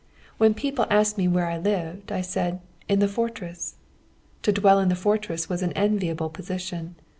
When people asked me where I lived, I said 'in the fortress!' To dwell in the fortress was an enviable position.